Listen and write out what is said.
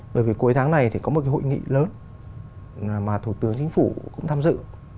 bởi vì cuối tháng này thì có một cái hội nghị lớn mà thủ tướng chính phủ cũng tham dự